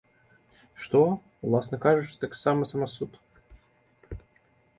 Што, уласна кажучы, таксама самасуд.